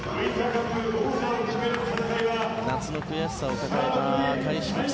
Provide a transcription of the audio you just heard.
夏の悔しさを抱えた開志国際。